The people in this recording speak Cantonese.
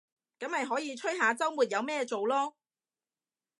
噉咪可以吹下週末有咩做囉